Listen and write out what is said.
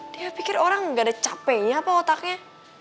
dia pikir orang gak ada capeknya apa otaknya